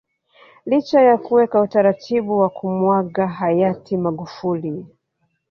Licha ya kuweka utaratibu wa kumuaga Hayati Magufuli